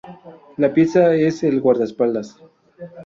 La pieza es el guardaespaldas.